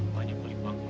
mas ini pulih pulih